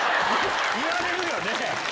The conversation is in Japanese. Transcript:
言われるよね！